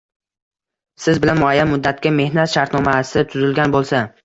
Siz bilan muayyan muddatga mehnat shartnomasi tuzilgan bo‘lsa